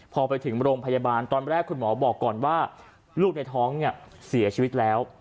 พอไปถึงโรงพยาบาลตอนแรกคุณหมอบอกก่อนว่าลูกในท้องเนี่ยเสียชีวิตแล้ว